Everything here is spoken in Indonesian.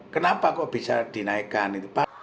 kenapa kok bisa dinaikkan